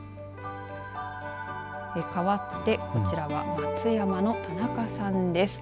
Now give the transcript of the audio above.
かわって、こちらは松山の田中さんです。